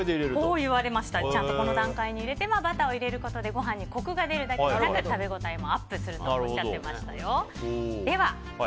ちゃんとこの段階にバターを入れることでご飯にコクが出て食べ応えもアップするとおっしゃっていましたよ。